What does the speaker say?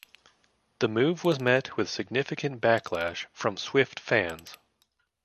The move was met with significant backlash from Swift fans.